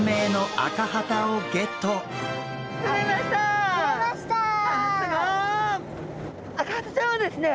アカハタちゃんはですね